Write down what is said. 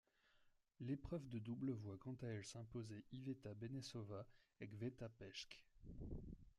L'épreuve de double voit quant à elle s'imposer Iveta Benešová et Květa Peschke.